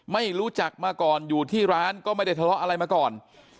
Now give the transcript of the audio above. ไม่รู้จักมาก่อนอยู่ที่ร้านก็ไม่ได้ทะเลาะอะไรมาก่อน